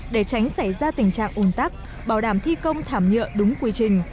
để tránh xảy ra tình trạng ủn tắc bảo đảm thi công thảm nhựa đúng quy trình